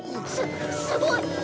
すすごい！